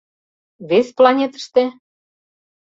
— Вес планетыште?